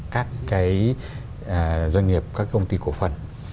các doanh nghiệp các công ty cổ phần